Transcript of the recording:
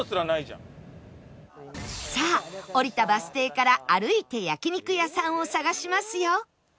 さあ降りたバス停から歩いて焼肉屋さんを探しますよ